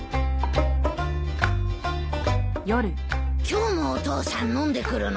今日もお父さん飲んでくるの？